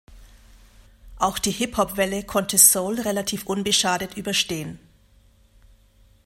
Auch die Hip-Hop-Welle konnte Soul relativ unbeschadet überstehen.